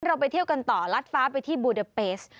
ไปเที่ยวกันต่อลัดฟ้าไปที่บูเดอร์เปส